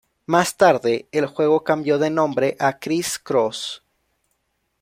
Más tarde, el juego cambió de nombre a Criss-Cross.